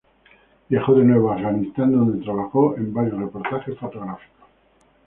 Viajó de nuevo a Afganistán, donde trabajó en varios reportajes fotográficos.